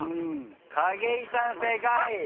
景井さん正解。